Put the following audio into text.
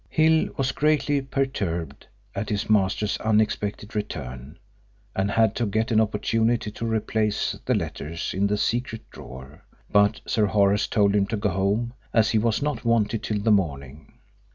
Hill was greatly perturbed at his master's unexpected return, and had to get an opportunity to replace the letters in the secret drawer, but Sir Horace told him to go home, as he was not wanted till the morning.